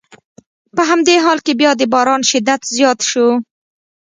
په همدې حال کې بیا د باران شدت زیات شو.